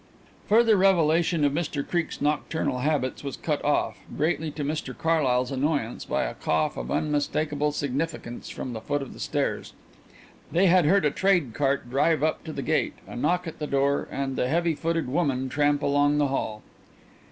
Further revelation of Mr Creake's nocturnal habits was cut off, greatly to Mr Carlyle's annoyance, by a cough of unmistakable significance from the foot of the stairs. They had heard a trade cart drive up to the gate, a knock at the door, and the heavy footed woman tramp along the hall.